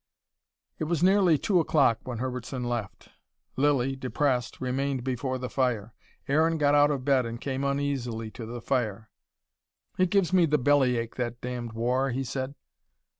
It was nearly two o'clock when Herbertson left. Lilly, depressed, remained before the fire. Aaron got out of bed and came uneasily to the fire. "It gives me the bellyache, that damned war," he said.